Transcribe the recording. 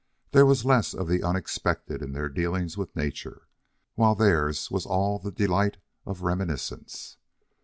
There was less of the unexpected in their dealings with nature, while theirs was all the delight of reminiscence.